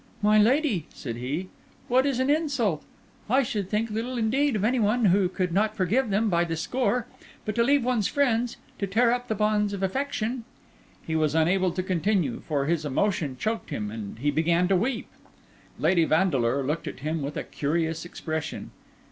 "My Lady," said he, "what is an insult? I should think little indeed of any one who could not forgive them by the score. But to leave one's friends; to tear up the bonds of affection—" He was unable to continue, for his emotion choked him, and he began to weep. Lady Vandeleur looked at him with a curious expression.